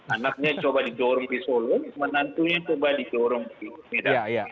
anaknya coba dijorong ke solo menantunya coba dijorong ke medan